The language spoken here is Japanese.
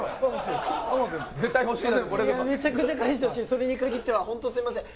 それにかぎってはホントすいません